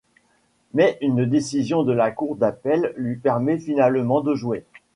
Mais une décision de la Cour d'appel lui permet finalement de jouer.